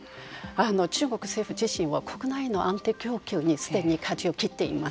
中国政府自身は国内の安定供給にすでにかじを切っています。